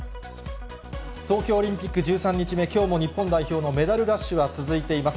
東京オリンピック１３日目、きょうも日本代表のメダルラッシュは続いています。